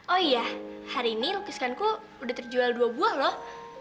oh iya hari ini lukiskanku udah terjual dua buah loh